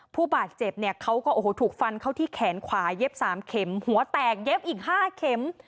ผู้บาดเจ็บเนี่ยเขาก็โอ้โหถูกฟันเข้าที่แขนขวาเย็บ๓เข็มหัวแตกเย็บอีก๕เข็ม